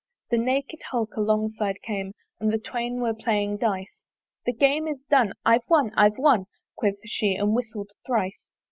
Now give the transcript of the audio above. The naked Hulk alongside came And the Twain were playing dice; "The Game is done! I've won, I've won!" Quoth she, and whistled thrice.